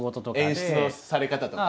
演出のされ方とか。